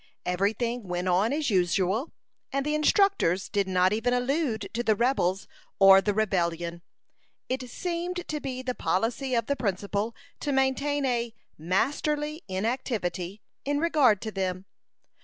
Every thing went on as usual, and the instructors did not even allude to the rebels or the rebellion. It seemed to be the policy of the principal to maintain a "masterly inactivity" in regard to them.